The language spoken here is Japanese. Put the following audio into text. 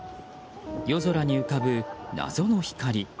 夜空に浮かぶ謎の光。